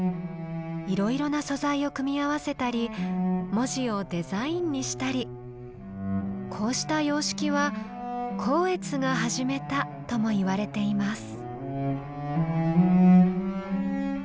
いろいろな素材を組み合わせたり文字をデザインにしたりこうした様式は光悦が始めたともいわれています。